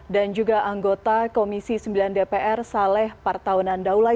dan juga anggota komisi sembilan dpr saleh partaunan daulah